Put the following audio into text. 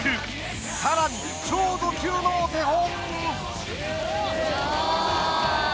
さらに超ド級のお手本！